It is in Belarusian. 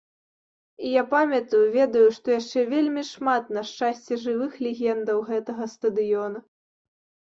І я памятаю, ведаю, што яшчэ вельмі шмат, на шчасце, жывых легендаў гэтага стадыёна.